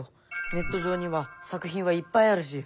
ネット上には作品はいっぱいあるし。